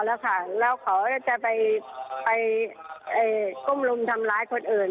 แล้วค่ะแล้วเขาจะไปก้มรุมทำร้ายคนอื่น